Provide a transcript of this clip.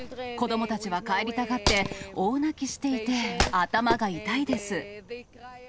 子どもたちは帰りたがって、大泣きしていて、頭が痛いです。